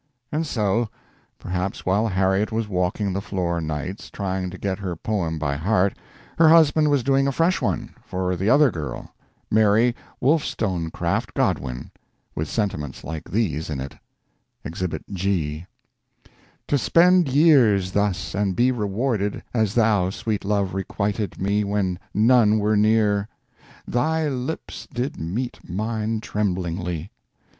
And so perhaps while Harriet was walking the floor nights, trying to get her poem by heart her husband was doing a fresh one for the other girl Mary Wollstonecraft Godwin with sentiments like these in it: Exhibit G To spend years thus and be rewarded, As thou, sweet love, requited me When none were near. ... thy lips did meet Mine tremblingly